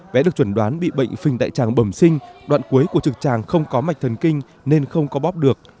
vẽ được chuẩn đoán bị bệnh phình đại tràng bẩm sinh đoạn cuối của trực tràng không có mạch thần kinh nên không có bóp được